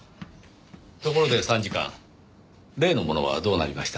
ところで参事官例のものはどうなりました？